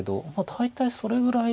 大体それぐらい。